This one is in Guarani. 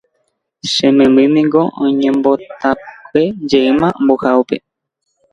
che memby ningo oñembotapykue jeýma mbo'ehaópe.